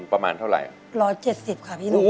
ประมาณเท่าไหร่๑๗๐ค่ะพี่ลูก